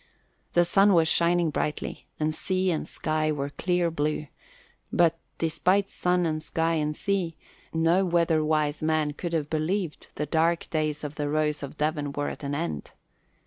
The sun was shining brightly and sky and sea were a clear blue; but despite sun and sky and sea no weatherwise man could have believed the dark days of the Rose of Devon were at an end.